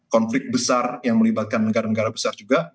konflik besar yang melibatkan negara negara besar juga